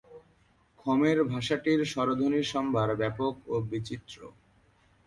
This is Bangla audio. খমের ভাষাটির স্বরধ্বনির সম্ভার ব্যাপক ও বিচিত্র।